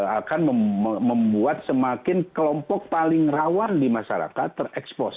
akan membuat semakin kelompok paling rawan di masyarakat terekspos